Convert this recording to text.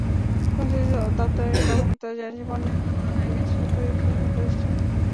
সংশ্লিষ্ট দপ্তরের কর্মকর্তারা জানিয়েছেন, বন্যায় বন্ধ হয়ে গেছে শতাধিক শিক্ষাপ্রতিষ্ঠান।